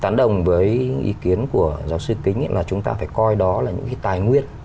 tán đồng với ý kiến của giáo sư kính là chúng ta phải coi đó là những cái tài nguyên